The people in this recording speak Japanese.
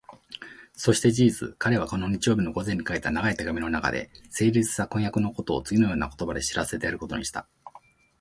そして事実、彼はこの日曜日の午前に書いた長い手紙のなかで、成立した婚約のことをつぎのような言葉で知らせてやることにした。